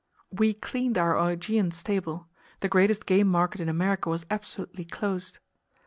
We cleaned our Augean stable. The greatest game market in America was absolutely closed.